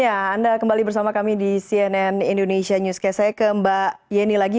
ya anda kembali bersama kami di cnn indonesia newscast saya ke mbak yeni lagi